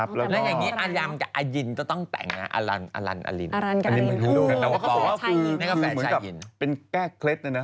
ผมว่าไม่แปลกนะค่ะ